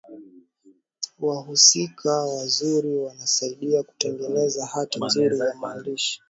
wahusika wazuri wanasaidia kutengeneza hati nzuri ya maandishi